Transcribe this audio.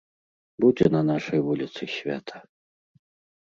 Будзе на нашай вуліцы свята.